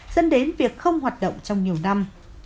dẫn đến việc không hoạt động trong nhiều năm